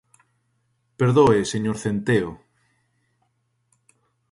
Perdoe, señor Centeo.